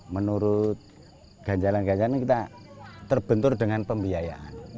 menurut ganjalan ganjalan kita terbentur dengan pembiayaan